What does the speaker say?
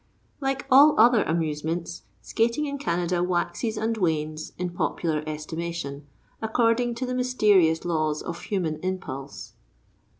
Like all other amusements, skating in Canada waxes and wanes in popular estimation, according to the mysterious laws of human impulse.